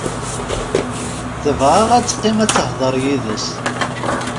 Tebɣa ad teqqim ad tehder yid-s.